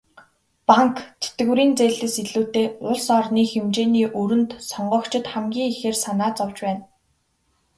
Банк, тэтгэврийн зээлээс илүүтэй улс орны хэмжээний өрөнд сонгогчид хамгийн ихээр санаа зовж байна.